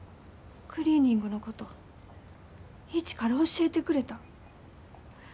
クリーニングのこと一から教えてくれた。